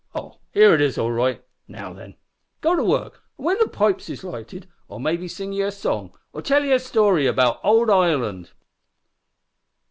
Oh! here it is all right. Now then, go to work, an' whin the pipes is lighted I'll maybe sing ye a song, or tell ye a story about ould Ireland."